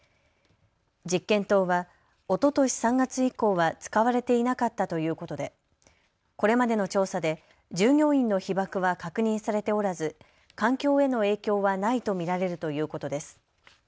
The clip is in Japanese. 実験棟はおととし３月以降は使われていなかったということでこれまでの調査で従業員の被ばくは確認されておらず環境への影響はないと見られるということです。